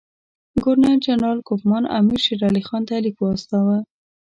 ګورنر جنرال کوفمان امیر شېرعلي خان ته لیک واستاوه.